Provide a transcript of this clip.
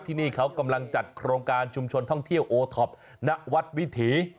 ที่นี่เขากำลังจัดโครงการชุมชนท่องเที่ยวโอท็อปณวัดวิถี